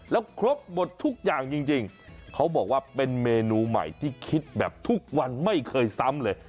แล้วครบหมดทุกอย่างจริงเขาบอกว่าเป็นเมนูใหม่ที่คิดแบบทุกวันไม่เคยซ้ำเลย